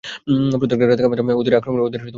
প্রত্যেকটা রাত কাটাতাম ওদের আক্রমণের আশংকায়।